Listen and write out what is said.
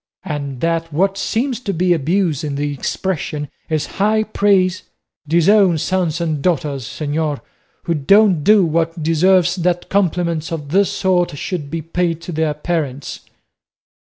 and that what seems to be abuse in the expression is high praise? Disown sons and daughters, señor, who don't do what deserves that compliments of this sort should be paid to their parents."